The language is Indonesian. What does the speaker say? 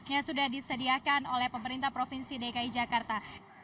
yang sudah disediakan oleh pemerintah provinsi dki jakarta